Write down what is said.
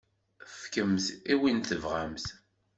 Fkemt-t i win i tebɣamt.